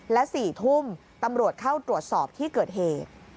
และ๔ทุ่มตำรวจเข้าตรวจสอบที่เกิดเหตุ